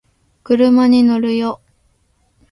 車に乗るよ